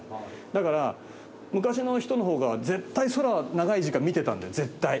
だから昔の人の方が絶対空は長い時間見てたんだよ絶対。